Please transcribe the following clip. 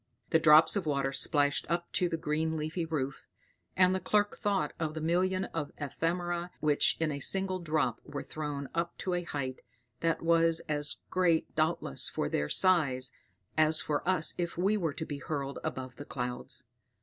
The drops of water splashed up to the green leafy roof, and the clerk thought of the million of ephemera which in a single drop were thrown up to a height, that was as great doubtless for their size, as for us if we were to be hurled above the clouds.